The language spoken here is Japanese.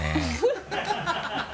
ハハハ